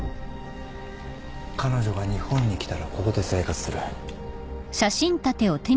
彼女が日本に来たらここで生活する。